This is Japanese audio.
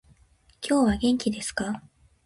今日は元気ですか？